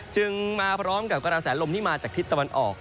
จึงมาพร้อมกับกระแสลมที่มาจากทิศตะวันออก